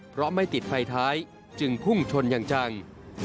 เพราะไม่ติดไฟท้ายจึงพุ่งชนอย่างจัง